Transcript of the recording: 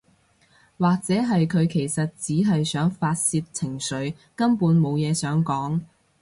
或者係佢其實只係想發洩情緒，根本無嘢想講